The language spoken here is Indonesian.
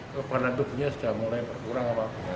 kepanaduknya sudah mulai berkurang